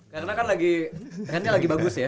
karena kan lagi pengennya lagi bagus ya